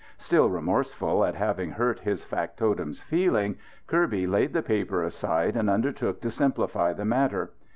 Still remorseful at having hurt his factotum's feelings, Kirby laid the paper aside and undertook to simplify the matter.